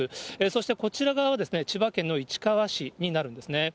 そしてこちら側は千葉県の市川市になるんですね。